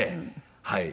はい。